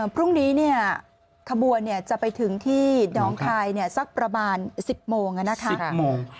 พรุ่งนี้ขบวนจะไปถึงที่น้องคายสักประมาณ๑๐โมง